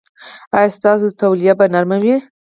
ایا ستاسو تولیه به نرمه وي؟